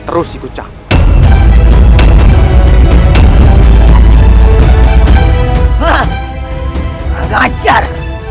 setelah ketemu transit